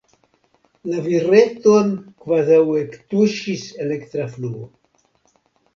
La vireton kvazaŭ ektuŝis elektra fluo.